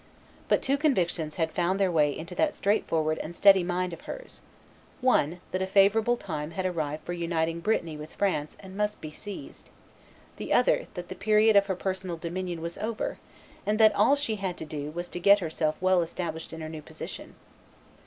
But two convictions had found their way into that straightforward and steady mind of hers; one, that a favorable time had arrived for uniting Brittany with France, and must be seized; the other, that the period of her personal dominion was over, and that all she had to do was to get herself well established in her new position.